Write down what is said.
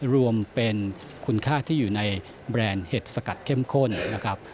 รวมเป็นคุณค่าที่อยู่ในแบรนด์เห็ดสกัดเข้มข้นนะครับ